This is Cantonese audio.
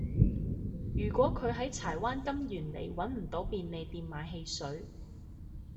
如果佢喺柴灣金源里搵唔到便利店買汽水